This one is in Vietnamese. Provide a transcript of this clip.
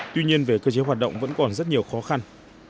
tuy nhiên về cơ chế hoạt động vẫn còn rất nhiều khó khăn